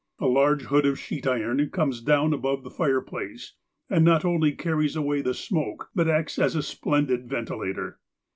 A large hood of sheet iron comes down above the fireplace, and not only carries away the smoke, but acts as a si)lendid ventilator.